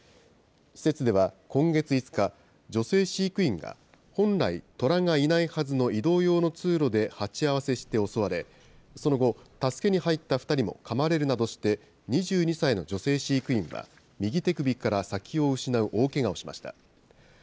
施設では今月５日、女性飼育員が本来、トラがいないはずの移動用の通路で鉢合わせして襲われ、その後、助けに入った２人もかまれるなどして、２２歳の女性飼育員は右手首から先を失う大けがをしました。